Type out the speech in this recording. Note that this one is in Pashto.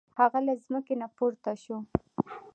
هغه له ځمکې نه پورته شو.